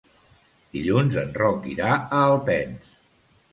Dilluns en Roc irà a Alpens.